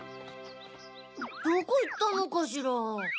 どこいったのかしら？